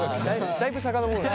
だいぶ遡るね。